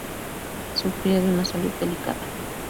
Sufría de una salud delicada.